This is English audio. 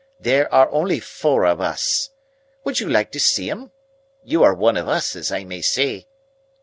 There are only four of us. Would you like to see 'em? You are one of us, as I may say."